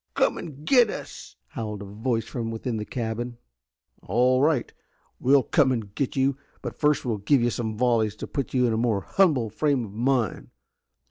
"Come and get us!" howled a voice from within the cabin. "All right, we'll come and get you, but first we'll give you some volleys to put you in a more humble frame of mind.